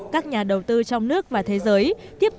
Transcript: các nhà đầu tư trong nước và thế giới